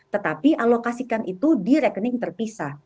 tetapi alokasikan itu di rekening terpisah